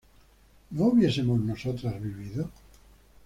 ¿no hubiésemos nosotras vivido?